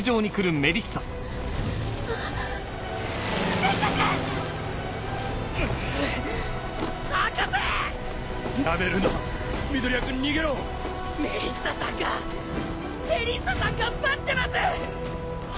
メリッサさんがメリッサさんが待ってます！